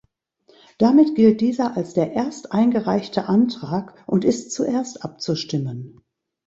Damit gilt dieser als der ersteingereichte Antrag und ist zuerst abzustimmen.